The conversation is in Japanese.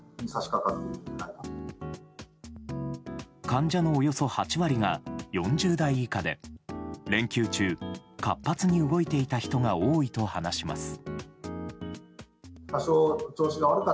患者のおよそ８割が４０代以下で連休中、活発に動いていた人が多いと話します。